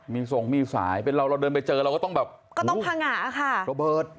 มีส่งมีสายเป็นเราเราเดินไปเจอเราก็ต้องแบบก็ต้องพังงะค่ะระเบิด